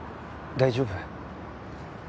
大丈夫？